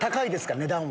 値段は。